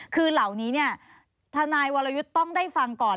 คือเหล่านี้ธนายวรรยุทธต้องได้ฟังก่อน